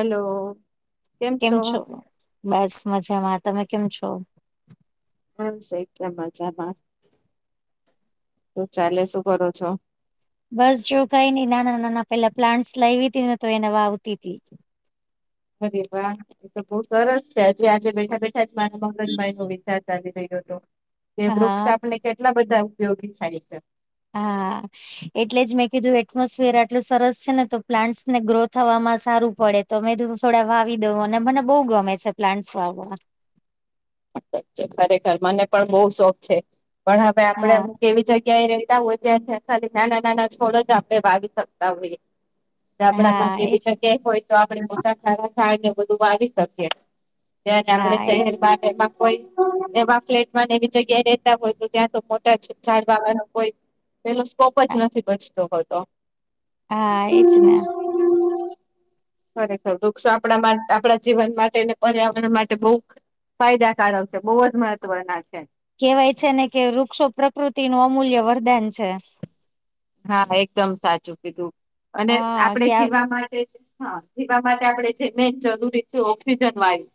Hello કેમ છો બસ મજામાં તમે કેમ છો. કેમ છો કે એટલે મજામાં શું ચાલે છે શું કરો છો. બસ જો કાઈ નઈ નાના-નાના પેલા પ્લાન્ટસ લાઇવી ને તો તેને વાવતી તી. અરે વા. એ તો બહુ સરસ છે જે આજે બેઠા બેઠા જ મારા મગજ મા એનો વિચાર ચાલી રહ્યો હતો. તે વૃક્ષ હા આપને કેટલા બધા ઉપયોગી થાય છે. હા. એટલે જ મેં કીધું એટમોસફિયર આટલું સરસ છે ને તો પ્લાન્ટસ ને ગ્રો થવામાં સારું પડે. તો મે કીધું થોડા વાવી દઉં અને મને બહુ ગમે છે પ્લાન્ટસ વાવવા. સાચે ખરેખર મને પણ બહુ શોખ છે પણ હવે આપડે હા કે એવી જગ્યાએ રહેતા હોય ત્યાં નાના-નાના છોડ જ આપણે વાવી શકતા હોઈએ. ગામડામાં હા એજ એવી જગ્યાએ હોય, આપણે મોટા સારા ઝાડ ને એવું બધું વાવી શકીએ ત્યાંજ હા આપણે એજ શહેરમા ને એમાં કોઈ એવા ફ્લેટમા એવી જગ્યા રેતા હોય તો ત્યાં તો મોટા ઝાડવા હોઈ કોઈ એનો સ્કોપ જ નથી બચતો હોતો. હા એજ ને. હમ્મ. ખરેખર વૃક્ષો આપણા માટે આપણા જીવન માટે અને પર્યાવરણ માટે બહુ ફાયદા સારો છે બહુ જ મહત્વના છે. કેવાય છે ને કે વૃક્ષો પ્રકૃતિનું અમૂલ્ય વરદાન છે. હા એકદમ સાચું કીધું અને હા આપડે કે આ જીવા માટે હા જીવા માટે આપડે જે મેન જરૂરી છે ઓક્સિજન વાયુ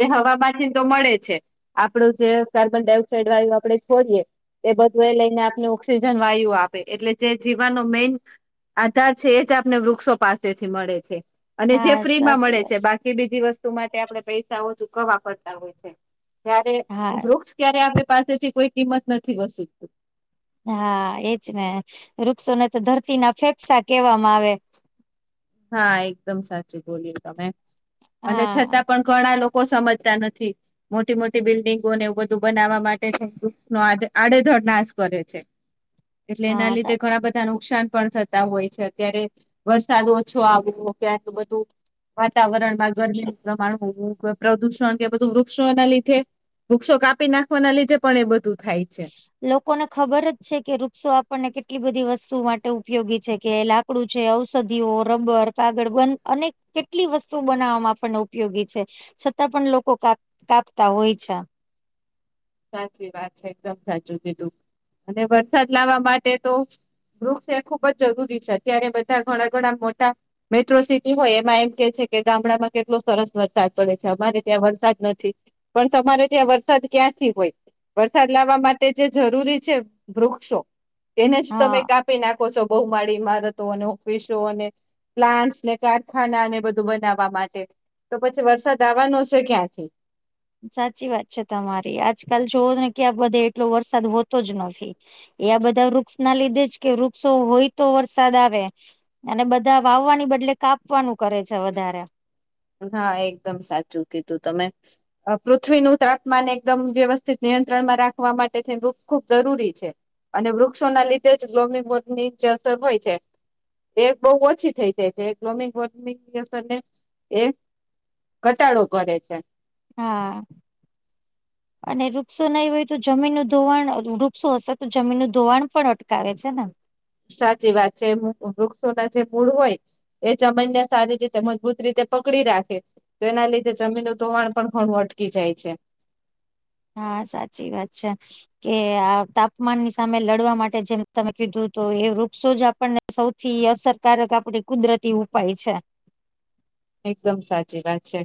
તે હવામાંમાંથી તો મળે છે. આપડું જે કાર્બન ડાયોક્સાઇડ વાયુ આપડે છોડીએ, એ બધું એ લઈને આપને ઓક્સિજન વાયુ આપે એટલે જે જીવાનો મેન આધાર છે એ જ આપને વૃક્ષો પાસેથી મળે છે. અને જે હા ફ્રી માં સાચી મળે છે વાત બાકી કે બીજી વસ્તુ માટે આપણે પૈસાઓ ચૂકવવા પડતા હોય છે જ્યારે છે હા વૃક્ષ ક્યારે આપણે પાસેથી કોઈ કિંમત નથી વસૂલીયું. હા એજ ને વૃક્ષોને તો ધરતીના ફેફસા કેહેવામાં આવે. હા એકદમ સાચું બોલ્યુ તમે અને હા છતાં પણ ઘણા લોકો સમજતા નથી. મોટી-મોટી બિલ્ડિંગોને એવું બધું બનાવવા માટે છે વૃક્ષોનો આડે આડેધડ નાશ કરે છે. એટલે હા એના લીધે સાચી ઘણા બધા નુકસાન પણ થતા હોય છે અત્યારે વરસાદ ઓછ ઓછો આવ્યુ કે આટલું બધું વાતાવરણમાં ગરમીનું પ્રમાણ હોવું પ્રદુષણ કે બધું વૃક્ષોના લીધે વૃક્ષો કાપી નાખવાના લીધે પણ એ બધું થાય છે. લોકોને ખબર જ છે કે વૃક્ષો આપણને કેટલી બધી વસ્તુ માટે ઉપયોગી છે કે લાકડું છે, ઔષધિઓ, રબર, કાગળ બંધ અનેક કેટલી વસ્તુ બનાવવામાં આપણને ઉપયોગી છે છતાં પણ લોકો કાપ કાપતા હોય છે. સાચી વાત છે એકદમ સાચું કીધું અને વરસાદ લાવવા માટે તો વૃક્ષ એ ખૂબ જ જરૂરી છે અત્યારે બધા ઘણા ઘણા મોટા મેટ્રો સિટી હોય એમાં એમ કહે છે કે ગામડામાં કેટલો સરસ વરસાદ પડે છે અમારે ત્યાં વરસાદ નથી. પણ તમારે ત્યાં વરસાદ ક્યાં થી હોય વરસાદ લાવવા માટે જે જરૂરી છે, વૃક્ષો એને જ તમે હા કા કાપી નાખો છો બઉ માડી ઇમારતો ને ઓફિસો અને પ્લાન્ટસ ને કારખાના ને બધું બનાવવા માટે. તો પછી વરસાદ આવવાનો છે ક્યાંથી? સાચી વાત છે તમારી, આજકાલ જોવો ને કે આ બધે એટલો વરસાદ હોતો જ નથી. એ બધા ઋક્ષ ના લીધે જ કે ઋક્ષો હોય તો વરસાદ આવે અને બધા વાવવાની બદલે કાપવાનુ કરે છે વધારે. હા, એકદમ સાચું કીધું તમે. અ પૃથ્વીનું તાપમાન એકદમ વ્યવસ્થિત નિયંત્રણમાં રાખવા માટે વુક્ષ ખૂબ જરૂરી છે. અને વૃક્ષો ના લીધે જ લોમી પોતની જે અસર હોય છે. એ બઉ ઓછી થઈ જાય છે. ગ્લોમિંગ વોર્મિંગની અસર ને એ ઘટાડો કરે છે. આ... [inaudible] અને ઋક્ષો નઈ હોય તો જમીનનું ધોવાણ ઋક્ષો હસે, તો જમીનનું ધોવાણ પણ અટકાવે છે ને સાચી વાત છે. હુ વૃક્ષો ના જે મૂળ હોય એ જમન ને સારી રીતે મજબૂત રીતે પકડી રાખે. તો એના લીધે જમીલું તોવાણ પણ ઘણું અટકી જાય છે. હા, સાચી વાત છે. કે આ તાપમાન ની સામે લડવા માટે જેમ તમે કીધુ તું એ વૃક્ષો જ આપણને સૌથી અસરકારક આપડે કુદરતી ઉપાય છે. એકદમ સાચી વાત છે.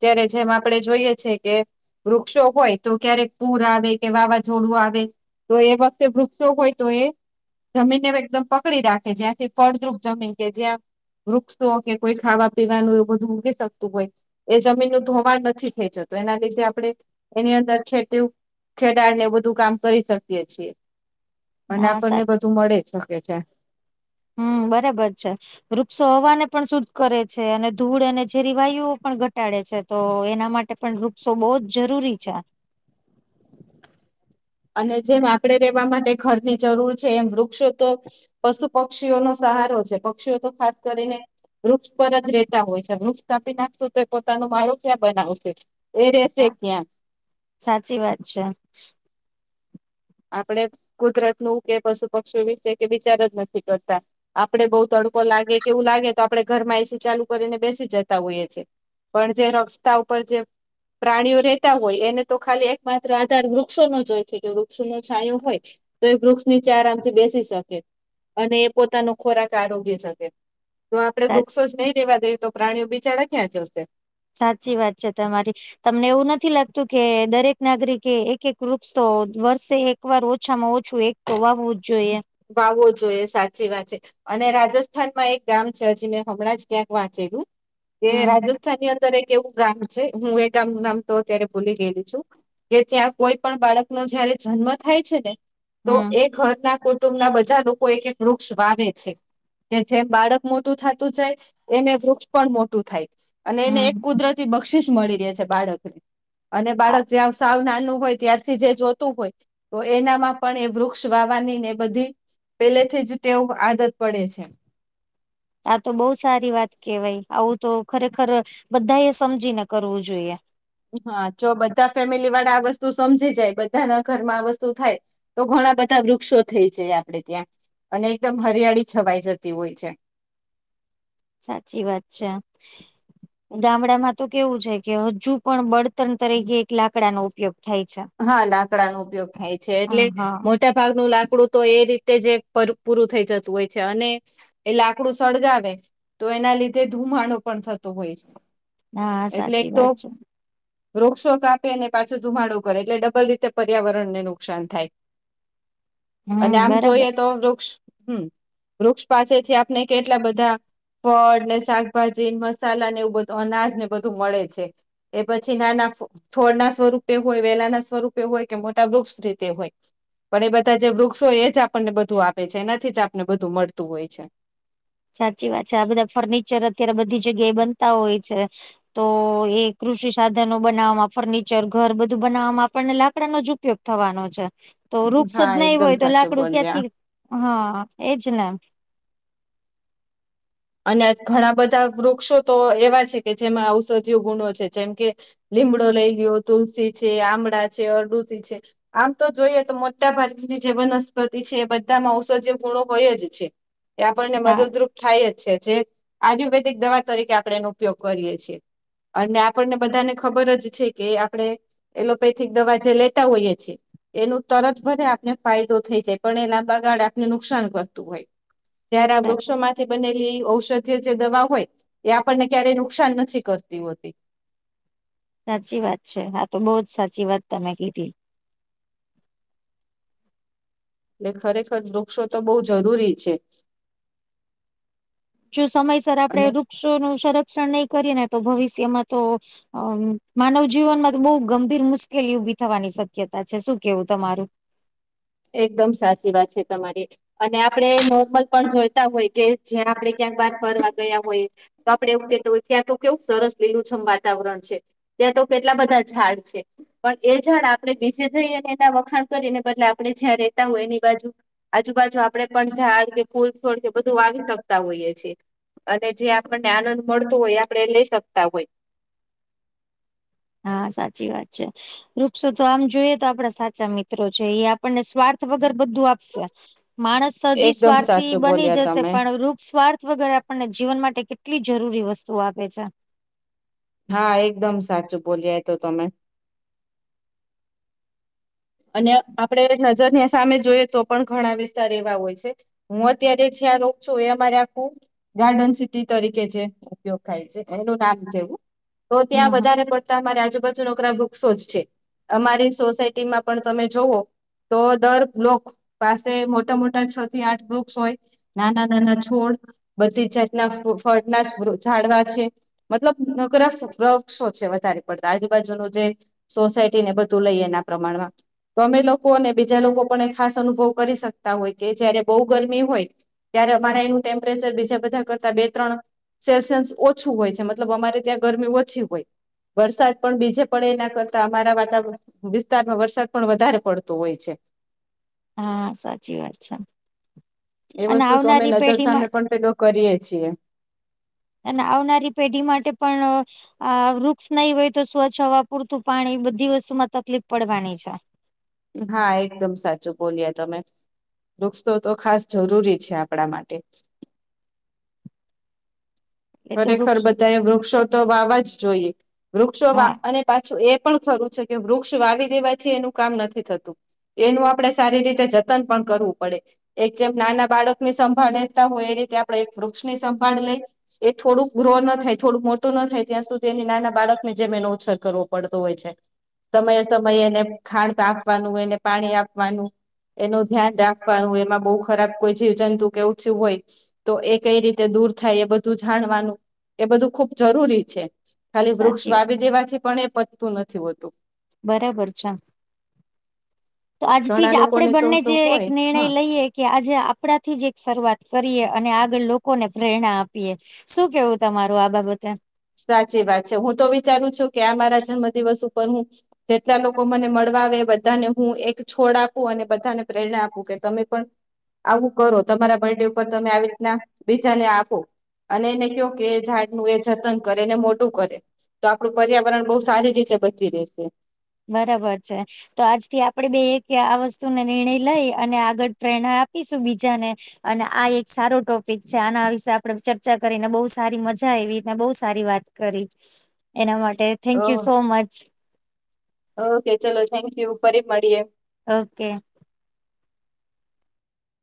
જ્યારે જેમ આપડે જોઈએ છે કે વૃક્ષો હોય તો ક્યારેક પૂર આવે કે વાવાઝોડું આવે તો એ વખતે વૃક્ષો હોય તો એ જમીનને એકદમ પકડી રાખે, જ્યાંથી ફળદ્રુપ જમીન કે જ્યાં વૃક્ષ તોઓ કે કોઈ ખાવા પીવાનું એવ બધું મૂકી સકતું હોય એ જમીનનું ધોવાણ નથી થઈ જતું એના લીધે આપડણે એની અંદર ખેતી-ખેડાડ ને બધું કામ કરી શકીએ છીએ. અને હા આપણને સા બધું મળે જ સકે છે. હમ, બરાબર છે. ઋક્ષો હવાને પણ સુદ્ધ કરે છે અને ધૂળ અને ઝેરી વાયુઓ પણ ઘટાડે છે. તો એના માટે પણ વૃક્ષો બઉ જ જરૂરી છે. અને જેમ આપડે રેવા માટે ઘરની જરૂર છે, એમ વૃક્ષો તો પસુ-પક્ષીઓનો સહારો છે. પક્ષીઓ તો ખાસ કરીને વૃક્ષ પર જ રેતા હોય છે. વૃક્ષ કાપી નાખસુ તો, એ પોતાનો માયો ક્યાં બનાવસે? એ રેસે હા ક્યા? સાચી વાત છે. આપણે કુદરત નું કે પશુ-પક્ષી વિશે કે વિચાર જ નથી કરતા. આપડે બઉ તડકો લાગે કે એવું લાગે તો, આપડણેે ઘરમાં એસી ચાલુ કરીને બેસી જતા હોઈએ છીએ. પણ જે રક્સ્તા ઉપર જે પ્રાણીઓ રહેેતા હોય એને તો ખાલી એક માત્ર આધાર વૃક્ષો નો જ હોય છે વૃક્ષ વૃક્ષ નુ છાયું હોય તો એ વૃક્ષ નીચે આરામથી બેસી શકે. અને એ પોતાનો ખોરાક આરોગી સકે. જો આપડે સાચી વૃક્સોસ જ નઈ દેવા દઈએ તો પ્રાણીઓ બિચાડા ક્યાં જશે. સાચી વાત છે તમારી તમને એવું નથી લાગતું કે દરેક નાગરિકે એક એક વૃક્ષ તો વર્ષે એક એક વાર ઓછામાં ઓછું એક તો વાવવું જ જોઈએ. વાવો જોઈએ સાચી વાત છે. અને રાજસ્થાનમાં એક ગામ છે હજી મેં હમણાં જ ક્યાંક વાંચેલું, કે હમ રાજસ્થાનની અંદર ર એક એવું ગામ છે, હું એ ગામ નામ તો અત્યારે ભૂલી ગયેલી છું. કે ત્યાં કોઈ પણ બાળક ન જયારે જન્મ થાય છે ને તો હમ એ ઘરના કુટુંબના બધા લોકો એક એક વૃક્ષ વાવે છે. કે જેમ બાળક મોટું થતું જાય એને વૃક્ષ પણ મોટું થાય. અને એને એક હમ કુદરતી બક્ષીસ મળી રહે છે બાળકને અને આ બાળક જ્યાં સાવ નાનું હોય ત્યાં જે જોતું હોય તો એનામાં પણ એ વૃક્ષ વા વાની ને બધી પેલેથી જ ટેવ આદત પડે છે. આ તો બઉ સારી વાત કેવાય, આવું તો ખરેખર બધા એ સમજીને કરવું જોઈએ. હા ચ બધા ફેમિલી વાળા આ વસ્તુ સમજી જાય બધાના ઘરમાં આ વસ્તુ થાય તો ઘણા બધા વૃક્ષો થઈ જાય આપડે ત્યાં અને એકદમ હરિયાળી છવાઈ જતી હોય છે. સાચી વાત છે. ગામડામાં તો કેવું છે કે હજુ પણ બળતણ તરીકે એક લાકડાનો ઉપયોગ થાય છે હા લાકડાનો ઉપયોગ થાય છે હ એટલે હા મોટા ભાગનું લાકડું તો એ રીતે જ પૂરું થઈ જતું હોય છે અને એટ લાકડું સળગાવે તો એના લીધે ધુમાડો પણ થતો હોય છે. હા એટલે એક સાચી તો વાત છે રોગશોક આપે ને પાછો ધુમાડો બર એટલે ડબલ રીતે પર્યાવરણ ને નુકસાન થાય. અને હમ આમ બરાબર જોઈએ તો છે વૃક્ષ હમ વૃક્ષ પાસેથી આપણે કેટલા બધા ફળ ને શાકભાજી મસાલા ને એવું બધું અનાજ ને બધું મળે છે. એ પછી નાના છોડ ના સ્વરૂપે હોય વેલા ના સ્વરૂપે હોય કે મોટા વૃક્ષ રીતે હોય. પણ એ બધા જે વૃક્ષો એ જ આપણને બધું આપે છે એનાથી જ આપણને બધું મળતું હોય છે. સાચી વાત છે. આ બધા ફર્નિચર અત્યારે બધી જગ્યાએ બનતા હોય છે. તો એ કૃષિ સાધનો બનાવવામાં, ફર્નિચર, ઘર બધું બનાવવામાં આપણને લાકડા નો જ ઉપયોગ ઉપયોગ થવાનો છે. તો વૃક્ષ જ હા નહી એકદમ હોય તો સાચું લાકડું બોલ્યા ક્યાંથી હા એજ ને અને ઘણા બધા વૃક્ષો તો એવા છે, કે જેમાં ઔષધિઓ ગુણો છે જેમ કે લીમડો લઈ લયો તુલસી છે, આમળા છે, અરડુસી છે. આમ તો જોઈએ તો મોટા ભાગની જે વનસ્પતિ છે એ બધામાં ઔષધ્ય ગુણો હોય જ છે. એ આપણને હા, મદદરૂપ થાય જ છે, જે આયુર્વેદિક દવા તરીકે આપણે એનો ઉપયોગ કરીએ છીએ. અને આપણને બધાને ખબર જ છે કે આપણે એલોપેથિક દવા જે લેતા હોઈએ છેીએ. એનું તરત બધે આપને ફાયદો થઈ જાય. પણ એના બગાડે આપને નુકસાન કરતું હોય. જયારે આ વૃક્ષો માંથી બંને ઔષધય જે દવા હોય એ આપણને ક્યારેય નુકસાન નથી કરતી હોતી. સાચી વાત છે. હા તો બહુ જ સાચી વાત તમે કીધી. એટલે ખરેખર વૃક્ષો તો બહુ જરૂરી છે. જો સમયસર આપડે અને વૃક્ષો ન સંરક્ષણ નહી કરીએ ને તો ભવિષ્યમાં તો અ માનવ જીવનમાં તો બહુ ગંભીર મુશ્કેલી ઊભી થવાની શક્યતા છે. શું કેવું તમારું? એકદમ સાચી વાત છે તમારી. અને આપણે નોર્મલ પણ જોઈતા હોય કે જ્યાં આપડણે ક્યાંક બાર ફરવા ગયા હોય તો આપડે એવું કેતા હોય ત્યાં તો કેવું સરસ લીલુંછમ વાતાવરણ છે. ત્યાં તો કેટલા બધા ઝાડ છે પણ એ ઝાડ આપે બીજે જઈને એના વખાણ કરીને બદલે આપ આપણે જ્યાં રહેતા હોય એની બાજુ આજુબાજુ આપણે પણ ઝાડ કે ફૂલ છોડ કે બધું વાવી શકતા હોઈએ છીએ. અને જે આપણને આનંદ મળતો હોય આપણે લઈ સકતા હોય. હા સાચી વાત છે. વૃક્ષો તો આમ જોઈએ તો આપડા સાચા મિત્રો છે, એ આપણને સ્વાર્થ વગર બધું આપ માણસ હોય હજી એકદમ સ્વાર્થી સાચું બની બોલ્યા જશે, તમે પણ વૃક્ષ સ્વાર્થ વગર આપ આપને જીવન માટે કેટલી જરૂરી વસ્તુઓ આપે છે. હા એકદમ સાચું બોલીયા એતો તમે. અને આપડે નજર ની સામે જોઈએ તો પણ ઘણા વિસ્તાર એવા હોય છે હું અત્યારે જ્યાં રોક છું એમાંર આખું ગાર્ડન સિટી તરીકે જે ઉપયોગ થાય છે એનું નામ જેવું તો ત્યાં હમ હમ વધારે પડતા અમારી આજુબાજુ નોકરા વૃક્ષો જ છે અમારી સોસાયટીમાં પણ તમે જોવો તો દર બ્લોક પાસે મોટા મોટા છ થી આઠ વૃક્ષ હોય નાના નાના છોડ બધી જ જાતના ફ-ફળના ઝડવા છે. મતલબ નકરા ફ વૃક્ષો છે વધારે પડતા આજુબાજુનો જે સોસાયટી ને બધું લઈએના પ્રમાણમાં તો અમે લોકો અને બીજા લોકો પણ એ ખાસ અનુભવ કરી શકતા હોય કે જયારે બહુ ગરમી હોય ત્યારે અમારા એનું ટેમ્પરેચર બીજા બધા કરતા બે ત્રણ સેલ્સિયન્સ ઓછું હોય છે મતલબ અમારે ત્યાં ગરમી ઓછી હોય. વરસાદ પણ બીજે પડે એના કરતા અમારા વાતા વિસ્તારમાં વરસાદ પણ વધારે પડતો હોય છે. હા, સાચી વાત છે. એ અને વસ્તુ તો અમે આવનારી નજર પેઢી સામે માટે પણ પેલો કરીએ છીએ. અને આવનારી પેઢી માટે પણ આ વૃક્ષ નહી હોય તો સ્વચ્છ હવા પૂરતું પાણી બધી વસ્તુ માં તકલીફ પડવાની છે. હા, એકદમ સાચું બોલીયા તમે. વૃક્ષ તો તો ખાસ જરૂરી છે આપડા માટે. એ તો ખરેખર વૃક્ષ બધાએ વૃક્ષો તો વાવા જ જોઈએ વૃક્ષો વા હા અને પાછું એ પણ ખરું છે કે વૃક્ષ વાવી દેવાથી એનું કામ નથી થતું એનું આપડે સારી રીતે જતન પણ કરવું પડે એક જેમ નાના બાળકની સંભાળ લેતા હોય એ રીતે આપડે એક વૃક્ષની સંભાળ લઈ એ થોડુંક ગ્રો ન થાય થોડુંક મોટું ન થાય ત્યાં સુધી એની નાના બાળકને જેમ એનો ઉછેર કરવો પડતો હોય છે. સમયે સમયે એને ખાણ આપવાનું એને પાણી આપવાનું. એનું ધ્યાન રાખવાનું, એમાં બહુ ખરાબ કોઈ જીવજંતુ કે એવું થયું હોય તો એ કઈ રીતે દૂર થાય એ બધું જાણવાનું એ બધું ખુબ જરૂરી છે. ખાલી વૃક્ષ સાચી વાત વાવી દેવાથી પણ એ પતું નથી હોતું. બરાબર છે તો આજથી ઘણા જ આપડે લોકોને તો બંને જ શોખ એક હોય નિર્ણય હા લઈએ કે આજે આપડા થી જ એક શરૂઆત કરીએ અને આગળ લોકોને પ્રેરણા આપીએ. શું કેવું તમારું આ બાબતે? સાચી વાત છે હું તો વિચારું છું કે આ મારા જન્મદિવસ ઉપર હું જેટલા લોકો મને મળવા આવે બધાને હું એક છોડ આપું અને બધાને પ્રેરણા આપું કે તમે પણ આવું કરો તમારા બર્ડે ઉપર તમે આવી રીતના બીજાને આપો અને એને કયો કે ઝાડનું એ જતન કરે ને મોટું કરે. તો આપડુ પર્યાવરણ બહુ સારી રીતે બચી રહેશે. બરાબર છે. તો આજથી આપડે બે એક આ વસ્તુને નિર્ણય લઈ અને આગળ પ્રેરણા આપીશું બીજાને અને આ એક સારો ટોપિક છે આના વિશે આપડે ચર્ચા કરીને બહુ સારી મજા આયવી ને બહુ સારી વાત કરી એના માટે thank you oh so much. Okay ચલો થેન્ક યુ ફરી મડીએ ઓકે.